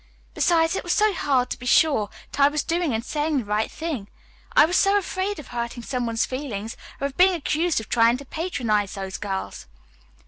Besides, it was so hard to be sure that I was doing and saying the right thing. I was so afraid of hurting some one's feelings, or of being accused of trying to patronize those girls.